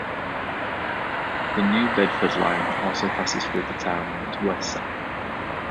The New Bedford line also passes through the town on its west side.